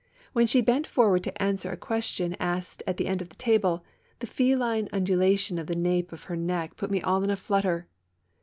When she bent forward to answer a question asked at the end of the table, the feline undulation of the nape of her neck put me all in a flutter.